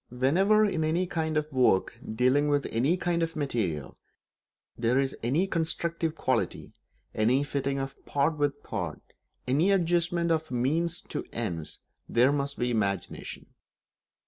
Whenever, in any kind of work dealing with any kind of material, there is any constructive quality, any fitting of part with part, any adjustment of means to ends, there must be imagination.